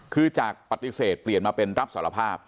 คือจากปฏิเสธเปลี่ยนมาเป็นรับสารภาพ